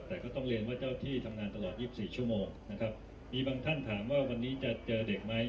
แต่ก็ต้องเรียนว่าเจ้าที่ทำงานตลอด๒๔ชั่วโมงนะครับมีบางท่านถามว่าวันนี้จะเจอเด็กไหม